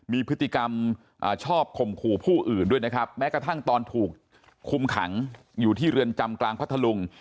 มีพฤติกรรมชอบข่มขู่ผู้อื่นด้วยนะครับแม้กระทั่งตอนถูกคุมขังอยู่ที่เรือนจำกลางพัทธลุง